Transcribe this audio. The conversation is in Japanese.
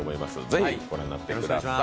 ぜひご覧になってください。